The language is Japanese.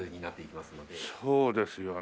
そうですよね。